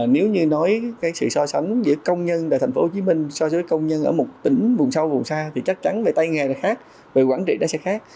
nếu như nói cái sự so sánh giữa công nhân tại tp hcm so với công nhân ở một tỉnh vùng sâu vùng xa thì chắc chắn về tay nghề này khác về quản trị nó sẽ khác